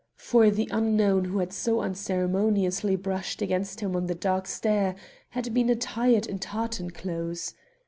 For the unknown who had so unceremoniously brushed against him on the dark stair had been attired in tartan clothes.